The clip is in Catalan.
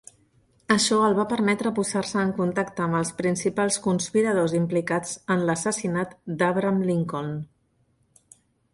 Això el va permetre posar-se en contacte amb els principals conspiradors implicats en l'assassinat d'Abraham Lincoln.